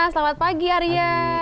selamat pagi arya